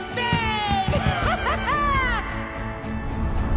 ハハハハ！